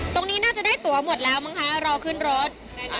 ตรงนี้น่าจะได้ตัวหมดแล้วมั้งคะรอขึ้นรถ